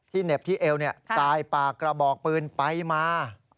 เหน็บที่เอวสายปากกระบอกปืนไปมา